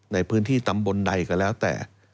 ในพื้นที่ตำบลใดก็แล้วแต่